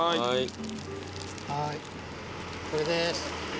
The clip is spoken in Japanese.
はいこれでーす。